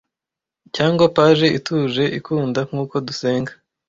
cyangwa page ituje ikunda nkuko dusenga